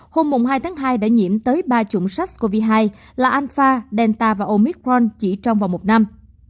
hôm hai tháng hai đã nhiễm tới ba chủng sars cov hai là alpha delta và omicron chỉ trong vòng một năm